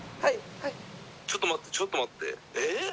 「ちょっと待ってちょっと待ってええっ？」